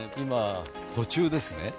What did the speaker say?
途中ですね。